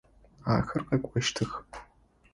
Ахэр къэкӏощтых.